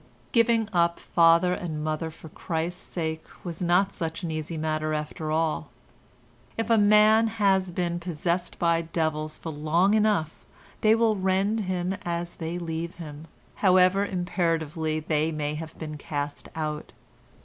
Giving up father and mother for Christ's sake was not such an easy matter after all. If a man has been possessed by devils for long enough they will rend him as they leave him, however imperatively they may have been cast out.